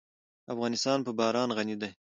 افغانستان په باران غني دی.